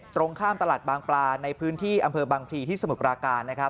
ตรงข้ามตลาดบางปลาในพื้นที่อำเภอบางพลีที่สมุทรปราการนะครับ